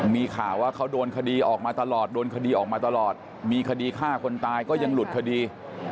มีข่าวว่าเขาโดนคดีออกมาตลอดโดนคดีออกมาตลอดมีคดีฆ่าคนตายก็ยังหลุดคดี